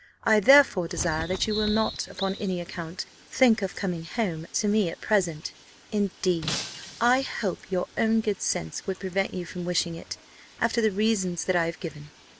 I therefore desire that you will not, upon any account, think of coming home to me at present; indeed, I hope your own good sense would prevent you from wishing it, after the reasons that I have given.